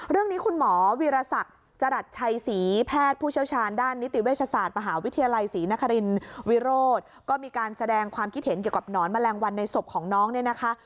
เรื่องนี้คุณหมอวีรศักดิ์จรัสชัยศรีแพทย์ผู้เชี่ยวชาญด้านนิติเวชศาสตร์มหาวิทยาลัยศรีนครินวิโรธก็มีการแสดงความคิดเห็นเกี่ยวกับหนอนแมลงวันในศพของน้องเนี่ยนะคะ